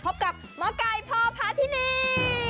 พบกับหมอไก่พ่อพาทินี